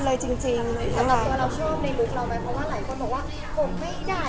พอเสร็จจากเล็กคาเป็ดก็จะมีเยอะแยะมากมาย